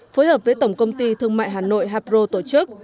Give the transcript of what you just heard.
phối hợp với tổng công ty thương mại hà nội hapro tổ chức